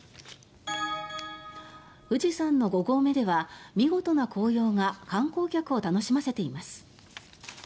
富士山の五合目では見事な紅葉が観光客を楽しませています。